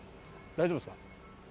大丈夫ですか。